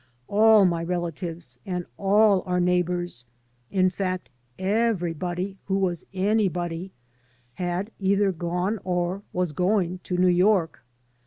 All my relatives and all our neighbors — ^in fact, everybody who was anybody — ^had either gone or was going to New York.